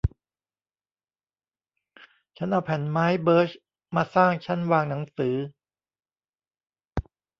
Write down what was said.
ฉันเอาแผ่นไม้เบิร์ซมาสร้างชั้นวางหนังสือ